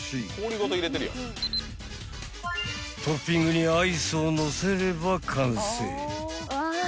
［トッピングにアイスをのせれば完成］